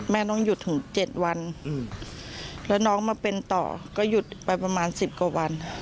แม่ต้องหยุดถึง๗วันแล้วน้องมาเป็นต่อก็หยุดไปประมาณ๑๐กว่าวัน